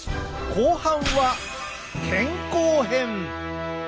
後半は健康編！